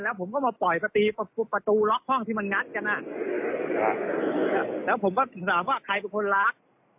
แล้วผมก็มาปล่อยประตีประตูล็อกห้องที่มันงัดกันอ่ะแล้วผมก็ถึงถามว่าใครเป็นคนรัก